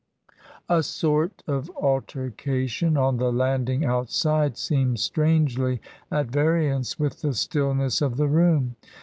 A sort of altercation on the landing outside seemed strangely at variance with the stillness of the room.